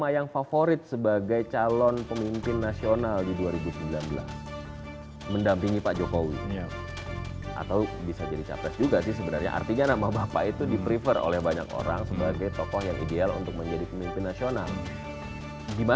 yang jelas pemerintah melaksanakan apa yang menurut mereka